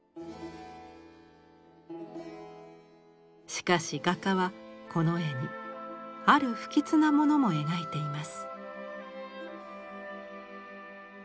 しかし画家はこの絵にある不吉なものも描いています。